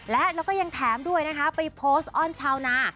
และแล้วก็ยังแถมด้วยนะคะไปโพสต์อ้อนชาวนา